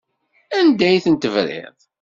Anda ay ten-tebriḍ?